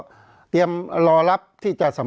เพราะฉะนั้นประชาธิปไตยเนี่ยคือการยอมรับความเห็นที่แตกต่าง